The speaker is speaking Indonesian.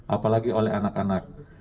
apalagi oleh anak anak